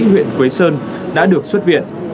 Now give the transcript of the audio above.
huyện quế sơn đã được xuất viện